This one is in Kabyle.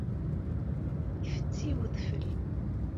Ifetti wedfel.